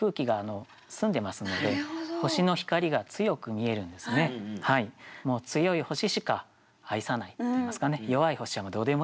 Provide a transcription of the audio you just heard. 「凍星」はですね強い星しか愛さないといいますかね弱い星はもうどうでもいいという。